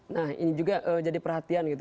nah ini juga jadi perhatian gitu